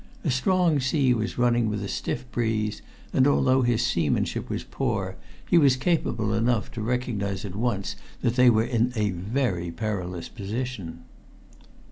A strong sea was running with a stiff breeze, and although his seamanship was poor, he was capable enough to recognize at once that they were in a very perilous position.